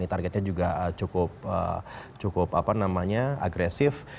targetnya juga cukup agresif